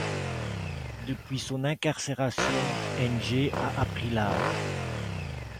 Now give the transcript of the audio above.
Depuis son incarcération, Ng a appris l'art.